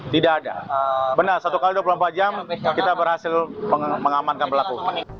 tidak ada benar satu x dua puluh empat jam kita berhasil mengamankan pelaku